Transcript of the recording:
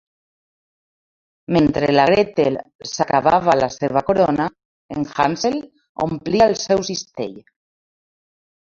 Mentre la Gretel s'acabava la seva corona, en Hansel omplia el seu cistell.